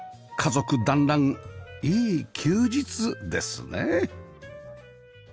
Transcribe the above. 家族だんらんいい休日ですね